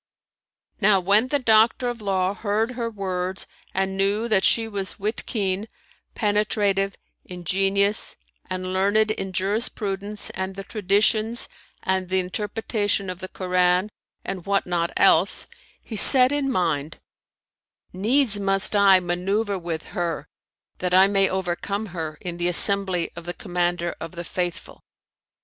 [FN#331]" Now when the doctor of law heard her words and knew that she was wit keen, penetrative, ingenious and learned in jurisprudence and the Traditions and the interpretation of the Koran and what not else, he said in his mind, "Needs must I manoeuvre with her, that I may overcome her in the assembly of the Commander of the Faithful."